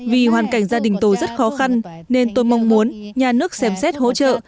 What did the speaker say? vì hoàn cảnh gia đình tôi rất khó khăn nên tôi mong muốn nhà nước xem xét hỗ trợ